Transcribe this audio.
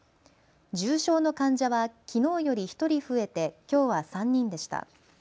重症の患者はきのうより１人増えてきょうは３人でした。